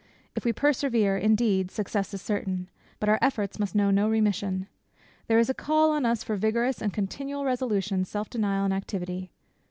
If we persevere indeed, success is certain; but our efforts must know no remission. There is a call on us for vigorous and continual resolution, self denial, and activity.